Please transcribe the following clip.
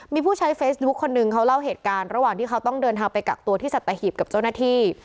มีผู้ใช้เฟซบุ๊คคนนึงเขาเล่าเหตุการณ์ระหว่างที่เขาต้องเดินทางไปกักตัวที่สัตหีบกับเจ้าหน้าที่